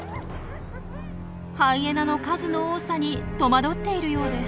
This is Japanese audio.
ハイエナの数の多さにとまどっているようです。